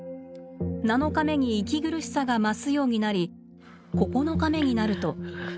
７日目に息苦しさが増すようになり９日目になると。